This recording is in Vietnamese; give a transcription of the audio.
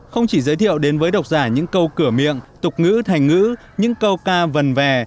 không chỉ giới thiệu đến với độc giả những câu cửa miệng tục ngữ thành ngữ những câu ca vần về